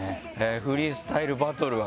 フリースタイルバトルはね。